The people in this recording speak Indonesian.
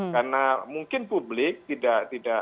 karena mungkin publik tidak